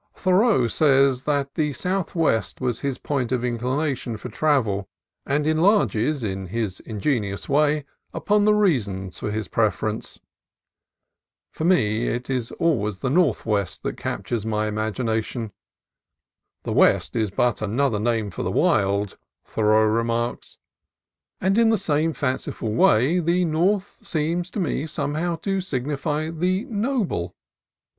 Thoreau says that the southwest was his point of inclination for travel, and enlarges, in his ingenious way, upon the reasons for his preference. For me it is always the northwest that captures my imagination. "The West is but another name for the Wild," Thoreau remarks; and in the same fanciful way the North seems to me somehow to signify the Noble.